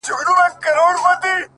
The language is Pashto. • ستا دهر توري په لوستلو سره،